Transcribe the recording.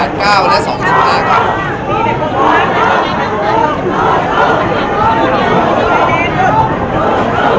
มุมการก็แจ้งแล้วเข้ากลับมานะครับ